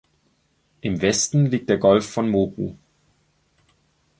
Im Westen liegt der Golf von Moro.